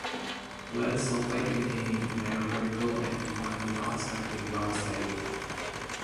Lead sulfide-containing nanoparticle and quantum dots have been well studied.